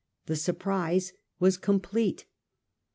The surprise was complete.